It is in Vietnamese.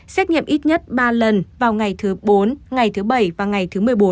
xét nghiệm ít nhất ba lần vào ngày thứ bốn ngày thứ bảy và ngày thứ một mươi bốn